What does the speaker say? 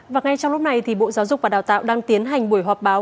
và ngay trong lúc này thì bộ giáo dục và đào tạo đang tiến hành buổi họp báo